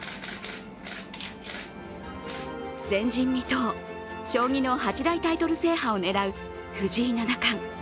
前人未到、将棋の八大タイトル制覇を狙う藤井七冠。